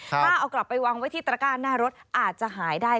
ถ้าเอากลับไปวางไว้ที่ตระก้าหน้ารถอาจจะหายได้